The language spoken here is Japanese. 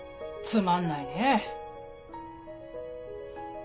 つまんない。